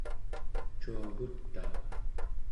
cuagutaa